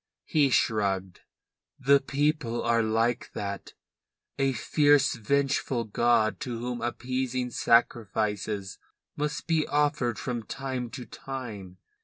He shrugged. "The people are like that a fierce, vengeful god to whom appeasing sacrifices must be offered from time to time.